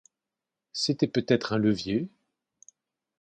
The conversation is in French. C’était peut-être un levier?